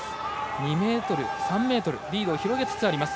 ２ｍ、３ｍとリードを広げつつあります。